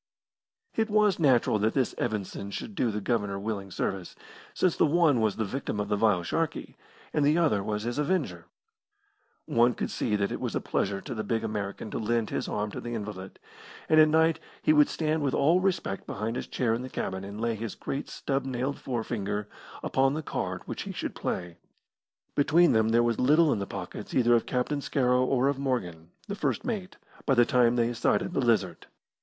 It was natural that this Evanson should do the Governor willing service, since the one was the victim of the vile Sharkey and the other was his avenger. One could see that it was a pleasure to the big American to lend his arm to the invalid, and at night he would stand with all respect behind his chair in the cabin and lay his great stub nailed forefinger upon the card which he should play. Between them there was little in the pockets either of Captain Scarrow or of Morgan, the first mate, by the time they sighted the Lizard.